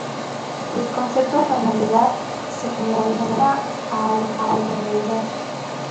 El concepto de normalidad se generaliza a ortogonalidad.